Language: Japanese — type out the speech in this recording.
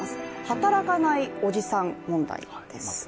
働かないおじさん問題です。